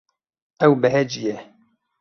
Ew behecî ye.